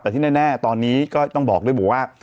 แต่ที่แน่ตอนนี้ก็ต้องบอกด้วยบอกว่า